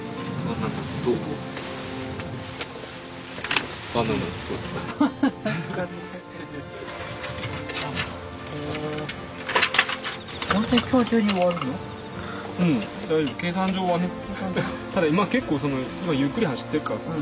ただ今結構ゆっくり走ってるからさ。